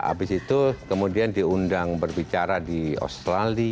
habis itu kemudian diundang berbicara di australia